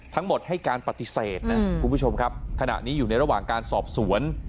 ทั้งหมดให้การปฏิเสธคณะนี้อยู่ในระหว่างการสอบสวน